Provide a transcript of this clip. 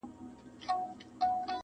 چي تر ننه یم راغلی له سبا سره پیوند یم--!